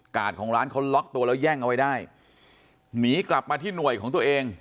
ของร้านเขาล็อกตัวแล้วแย่งเอาไว้ได้หนีกลับมาที่หน่วยของตัวเอง